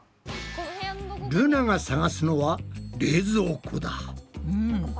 ルナがさがすのは冷蔵庫だ。